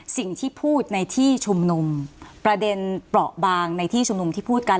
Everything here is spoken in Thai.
สิ่งที่พูดในที่ชุมนุมประเด็นเปราะบางในที่ชุมนุมที่พูดกัน